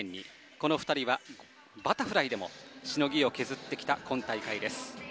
この２人はバタフライでもしのぎを削ってきた今大会です。